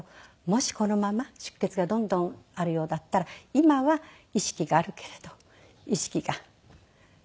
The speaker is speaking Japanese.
もしこのまま出血がどんどんあるようだったら今は意識があるけれど意識がそこでなくなる。